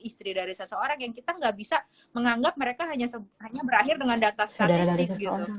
istri dari seseorang yang kita nggak bisa menganggap mereka hanya berakhir dengan data statistik gitu